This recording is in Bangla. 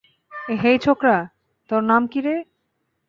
হেই ছোকরা, তোর নাম কীরে?